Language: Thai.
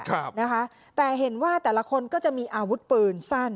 ครับนะคะแต่เห็นว่าแต่ละคนก็จะมีอาวุธปืนสั้น